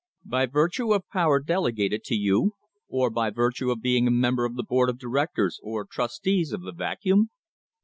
By virtue of power delegated to you, or by virtue of being a member of the board of directors or trustees of the Vacuum